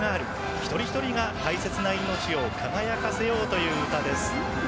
一人一人が大切な命を輝かせようという歌です。